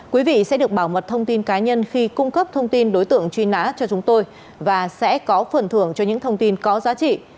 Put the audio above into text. quý vị sẽ được bảo mật thông tin cá nhân khi cung cấp thông tin đối tượng truy nã cho chúng tôi và sẽ có phần thưởng cho những thông tin có giá trị